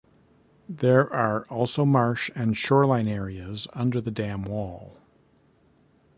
There are also marsh and shoreline areas under the dam wall.